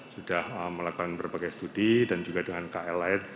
sudah melakukan berbagai studi dan juga dengan kl lain